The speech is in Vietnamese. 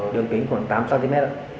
đường kính khoảng tám cm